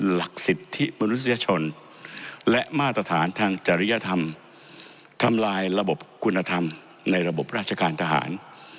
หลักสิทธิมนุษยชนและมาตรฐานทางจริยธรรมทำลายระบบคุณธรรมในระบบราชการทหาร